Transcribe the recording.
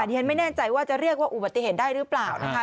ที่ฉันไม่แน่ใจว่าจะเรียกว่าอุบัติเหตุได้หรือเปล่านะคะ